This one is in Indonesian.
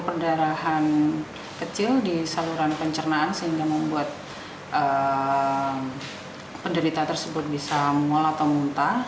perdarahan kecil di saluran pencernaan sehingga membuat penderita tersebut bisa mual atau muntah